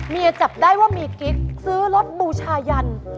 จับได้ว่ามีกิ๊กซื้อรถบูชายัน